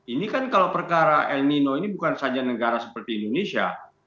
ini kan kalau perkara el nino ini bukan saja negara seperti indonesia